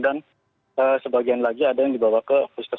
dan sebagian lagi ada yang dibawa ke pusat sakit